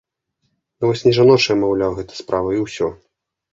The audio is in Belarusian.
Ну вось не жаночая, маўляў, гэта справа і ўсё!